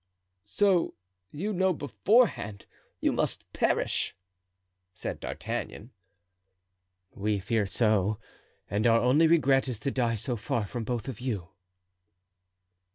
"So you know beforehand you must perish!" said D'Artagnan. "We fear so, and our only regret is to die so far from both of you."